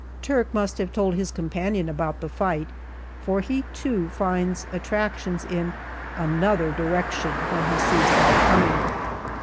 Turk must have told his companion about the fight, for he, too, finds attractions in another direction when he sees Hal coming.